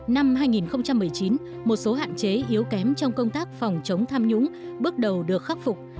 năm hai nghìn một mươi chín một số hạn chế yếu kém trong công tác phòng chống tham nhũng bước đầu được khắc phục